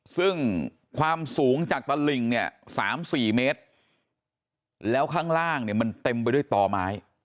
ซึ่งความสูงจากตระลิง๓๔เมตรแล้วข้างล่างเต็มไปด้วยต่อไม้